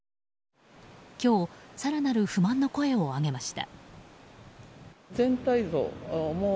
今日、更なる不満の声を上げました。